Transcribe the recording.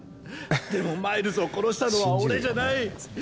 でもマイルズを殺したのは俺じゃない。